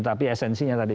tapi esensinya tadi